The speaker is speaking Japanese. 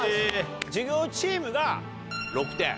「授業チーム」が６点。